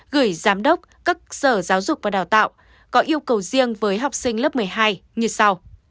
gửi giám đốc các sở giáo dục và đào tạo có yêu cầu riêng với học sinh lớp một mươi hai như sau